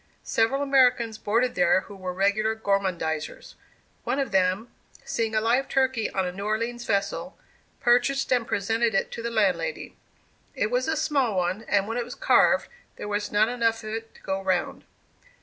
Several Americans boarded there who were regular gormandizers. One of them, seeing a live turkey on a New Orleans vessel, purchased and presented it to the landlady. It was a small one, and when it was carved, there was not enough of it to "go round."